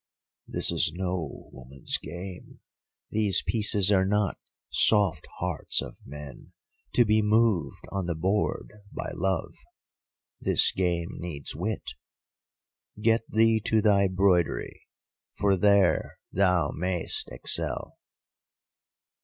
'This is no woman's game, these pieces are not soft hearts of men to be moved on the board by love. This game needs wit! Get thee to thy broidery, for there thou may'st excel.